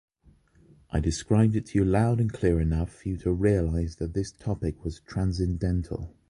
I described it to you loud and clear enough for you to realize that this topic was transcendental.